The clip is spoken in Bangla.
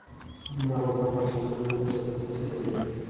মা-বাবার পাঁচ সন্তানের মধ্যে চতুর্থ ছিলেন তিনি।